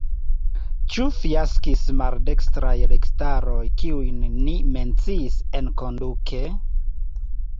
Ĉu fiaskis maldekstraj registaroj, kiujn ni menciis enkonduke?